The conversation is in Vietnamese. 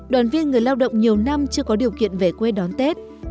đoàn viên người lao động nhiều năm chưa có điều kiện về quê đón tết